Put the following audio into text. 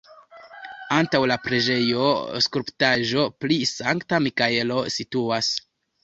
Antaŭ la preĝejo skulptaĵo pri Sankta Mikaelo situas.